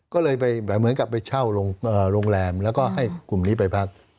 ก็เลยไปเหมือนกับไปเช่าโรงแรมแล้วก็ให้กลุ่มนี้ไปพัก